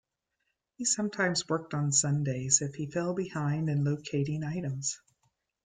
He sometimes worked on Sundays if he fell behind in locating items.